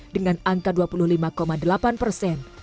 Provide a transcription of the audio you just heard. dengan angka dua puluh lima delapan persen